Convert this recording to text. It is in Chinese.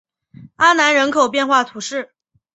阿南人口变化图示